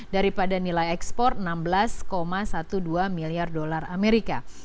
daripada nilai ekspor enam belas dua belas miliar dolar amerika